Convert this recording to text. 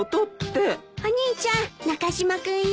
お兄ちゃん中島君よ。